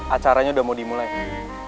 acaranya udah mau dimulai